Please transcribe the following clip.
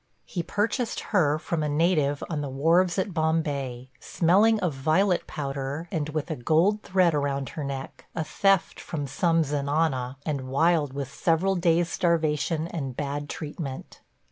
He purchased her from a native on the wharves at Bombay – smelling of violet powder and with a gold thread around her neck – a theft from some zenana, and wild with several days' starvation and bad treatment.